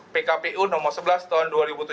pkpu nomor sebelas tahun dua ribu tujuh belas